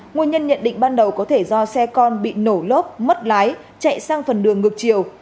nguyên nhân nhận định ban đầu có thể do xe con bị nổ lốp mất lái chạy sang phần đường ngược chiều